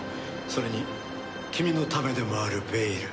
それに君のためでもあるベイル。